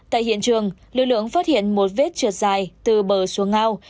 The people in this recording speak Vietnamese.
tại hiện trường lực lượng phát hiện một vết trượt dài từ bờ xuống ngao